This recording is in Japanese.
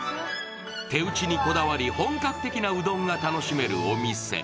手打ちにこだわり本格的なうどんが楽しめるお店。